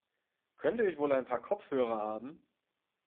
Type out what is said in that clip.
Könnte ich wohl ein Paar Kopfhörer haben.